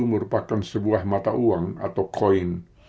merupakan sebuah mata uang atau koin